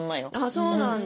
そうなんだ。